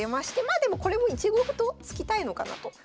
まあでもこれも１五歩と突きたいのかなと。